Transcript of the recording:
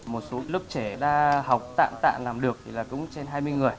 một số lớp trẻ đã học tạm tạ làm được thì là cũng trên hai mươi người